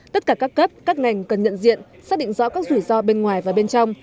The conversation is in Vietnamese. tất cả các cấp các ngành cần nhận diện xác định rõ các rủi ro bên ngoài và bên trong